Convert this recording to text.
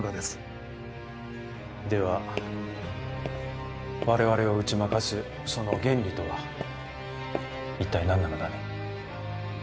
では我々を打ち負かすその原理とは一体何なのだね？